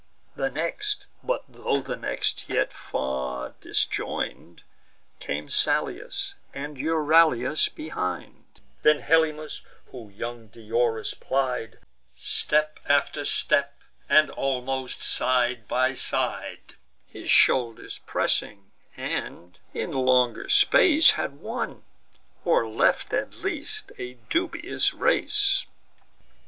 The next, but tho' the next, yet far disjoin'd, Came Salius, and Euryalus behind; Then Helymus, whom young Diores plied, Step after step, and almost side by side, His shoulders pressing; and, in longer space, Had won, or left at least a dubious race.